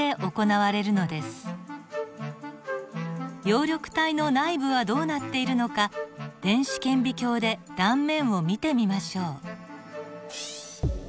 葉緑体の内部はどうなっているのか電子顕微鏡で断面を見てみましょう。